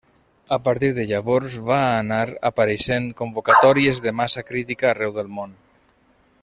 A partir de llavors, van anar apareixent convocatòries de Massa Crítica arreu del món.